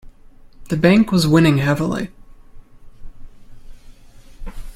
The bank was winning heavily.